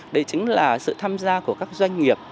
đây chính là sự tham gia của các doanh nghiệp